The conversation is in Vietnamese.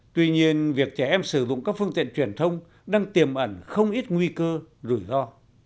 tuy nhiên việc trẻ em sử dụng các phương tiện truyền thông đang tiềm ẩn không ít nguy cơ rủi ro